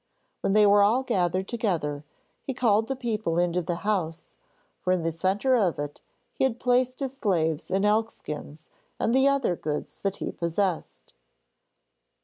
When they were all gathered together he called the people into the house, for in the centre of it he had placed his slaves and elk skins and the other goods that he possessed.